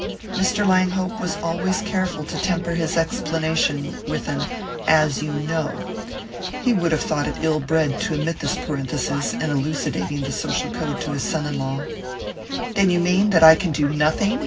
Mr. Langhope was always careful to temper his explanations with an "as you know": he would have thought it ill bred to omit this parenthesis in elucidating the social code to his son in law. "Then you mean that I can do nothing?"